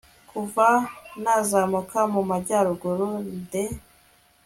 Kuva nazamuka mu majyaruguru de